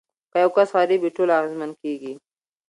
که یو کس غریب وي ټول اغیزمن کیږي.